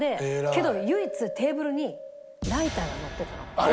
けど唯一テーブルにライターがのってたの。